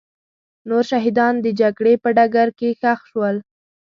نور شهیدان د جګړې په ډګر کې ښخ شول.